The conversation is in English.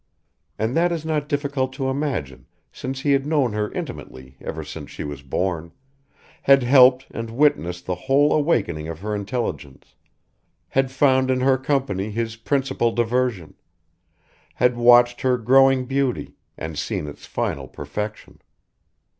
And that is not difficult to imagine since he had known her intimately ever since she was born, had helped and witnessed the whole awakening of her intelligence; had found in her company his principal diversion; had watched her growing beauty, and seen its final perfection.